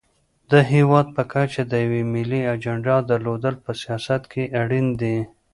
د هېواد په کچه د یوې ملي اجنډا درلودل په سیاست کې اړین دي.